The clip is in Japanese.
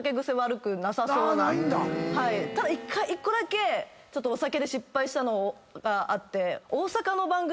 ただ１個だけお酒で失敗したのがあって。